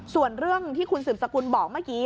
ส่วนเรื่องที่คุณสืบสกุลบอกเมื่อกี้